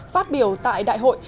phát biểu tại đại hội